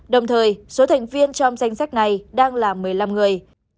đồng thời số thành viên trong danh sách này đang là một mươi năm người